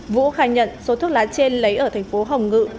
vũ khai nhận số thuốc lá trên lấy ở thành phố hồng ngự